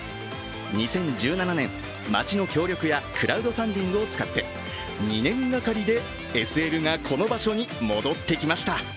２０１７年、町の協力やクラウドファンディングを使って２年がかりでＳＬがこの場所に戻ってきました。